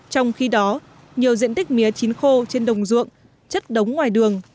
trong khi đó nhiều diện tích mía chín khô trên đồng ruộng chất đống ngoài đường